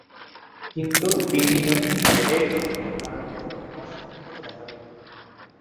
কিন্তু তিন্নি যখন পেটে এল, তখন তার ভেতরেও অস্বাভাবিকতা দেখা দিল।